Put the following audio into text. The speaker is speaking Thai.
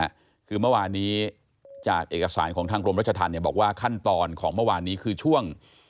คือเมื่อวานี้จากเอกสารของทางกรมรัชธรรมเนี่ยบอกว่าขั้นตอนของเมื่อวานนี้คือช่วง